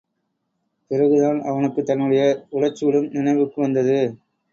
பிறகுதான், அவனுக்குத் தன்னுடைய உடற்சூடும் நினைவுக்கு வந்தது.